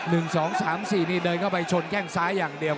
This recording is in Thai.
๑๒๓๔นี่เดินเข้าไปชนแก้งซ้ายอย่างเดียว